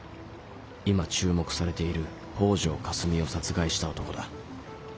今注目されている「北條かすみ」を殺害した男だ。